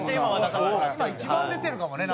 今一番出るかもね。